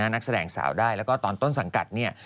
นักแสดงสาวได้แล้วก็ตอนต้นสังกัดเนี่ย